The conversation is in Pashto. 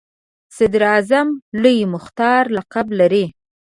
صدراعظم لوی مختار لقب لري.